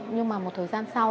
nhưng mà một thời gian sau